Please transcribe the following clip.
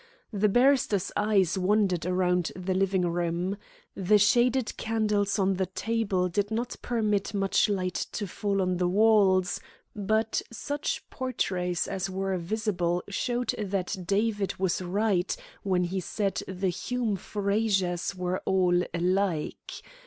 The barrister's eyes wandered round the dining room. The shaded candles on the table did not permit much light to fall on the walls, but such portraits as were visible showed that David was right when he said the "Hume Frazers were all alike."